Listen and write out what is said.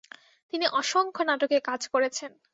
তিনি অসংখ্য নাটকে কাজ করেছেন।